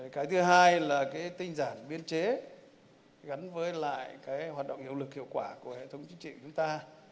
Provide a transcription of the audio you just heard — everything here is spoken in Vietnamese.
cái thứ hai là cái tinh giản biên chế gắn với lại cái hoạt động hiệu lực hiệu quả của hệ thống chính trị của chúng ta